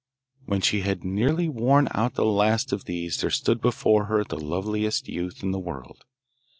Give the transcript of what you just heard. When she had nearly worn out the last of these there stood before her the loveliest youth in the world.